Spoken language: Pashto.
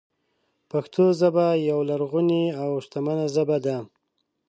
پښتو ژبه یوه لرغونې او شتمنه ژبه ده.